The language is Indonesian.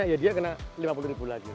ya dia kena rp lima puluh lagi